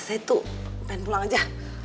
saya itu pengen pulang aja